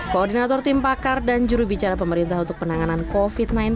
koordinator tim pakar dan jurubicara pemerintah untuk penanganan covid sembilan belas